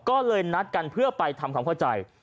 ก็เลยนัดกันเพื่อไปทำความเข้าใจ